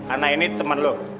anak ini temen lo